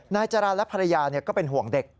นายจรรย์และภรรยาก็เป็นห่วงเด็ก